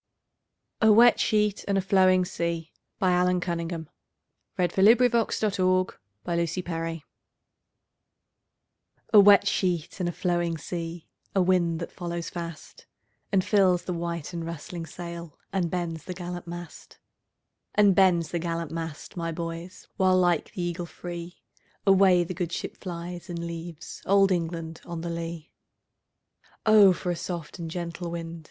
reasury. 1875. Allan Cunningham CCV. "A wet sheet and a flowing sea" A WET sheet and a flowing sea,A wind that follows fastAnd fills the white and rustling sailAnd bends the gallant mast; And bends the gallant mast, my boys, While like the eagle freeAway the good ship flies, and leavesOld England on the lee."O for a soft and gentle wind!"